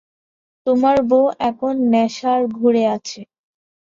তোমার বউ এখন নেশার ঘোরে আছে।